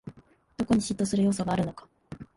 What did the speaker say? どこに嫉妬する要素があるのか